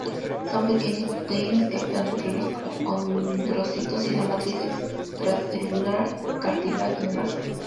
Son pequeñas proteínas que actúan entre los condrocitos y la matriz extracelular cartilaginosa.